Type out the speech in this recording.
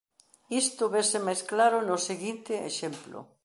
Isto vese máis claro no seguinte exemplo.